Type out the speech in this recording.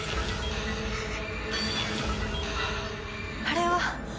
あれは！